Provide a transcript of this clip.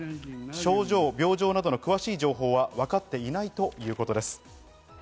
症状、病状などの詳しい情報はわかっていないということです。